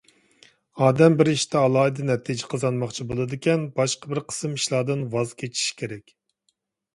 ئادەم بىر ئىشتا ئالاھىدە نەتىجە قازانماقچى بولىدىكەن، باشقا بىر قىسىم ئىشلاردىن ۋاز كېچىشى كېرەك.